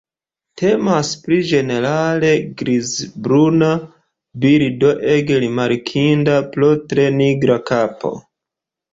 Temas pri ĝenerale grizbruna birdo ege rimarkinda pro tre nigra kapo.